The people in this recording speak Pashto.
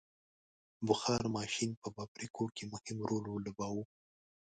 • بخار ماشین په فابریکو کې مهم رول ولوباوه.